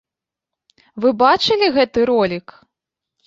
Вы бачылі гэты ролік?